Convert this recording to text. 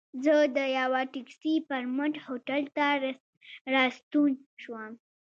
زه د یوه ټکسي پر مټ هوټل ته راستون شوم.